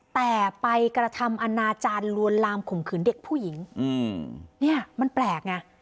แต่ไปกระทำอนาจารย์ลวนลามข่มขืนเด็กผู้หญิงอืมเนี่ยมันแปลกไง